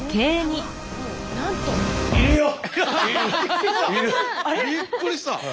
えっ⁉びっくりした！